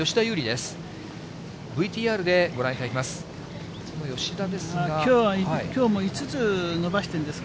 ＶＴＲでご覧いただきます。